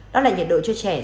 đó là nhiệt độ